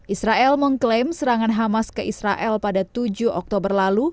israel mengklaim serangan hamas ke israel pada tujuh oktober lalu